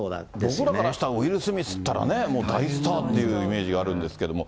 僕らからしたらね、ウィル・スミスっていったらね、大スターっていうイメージがあるんですけれども。